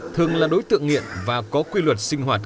thường là đối tượng nghiện và có quy luật sinh hoạt